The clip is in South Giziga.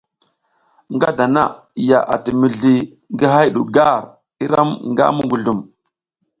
Nga dana ya ati mizli ngi hay du gar i ram nga muguzlum.